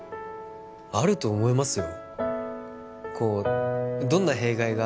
あると思いますよ